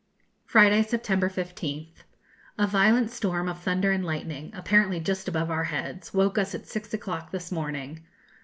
Friday, September 15th. A violent storm of thunder and lightning, apparently just above our heads, woke us at six o'clock this morning.